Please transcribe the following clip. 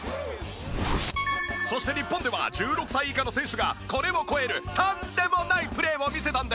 そして日本では１６歳以下の選手がこれを超えるとんでもないプレーを見せたんです！